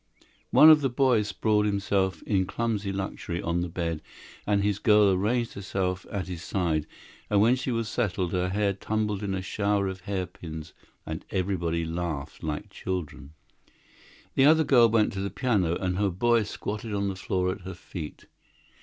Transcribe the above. One of the boys sprawled himself, in clumsy luxury, on the bed, and his girl arranged herself at his side, and when she was settled her hair tumbled in a shower of hairpins, and everybody laughed like children. The other girl went to the piano, and her boy squatted on the floor at her feet.